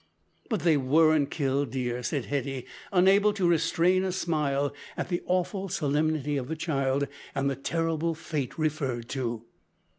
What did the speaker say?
"But they weren't killed, dear," said Hetty, unable to restrain a smile at the awful solemnity of the child, and the terrible fate referred to.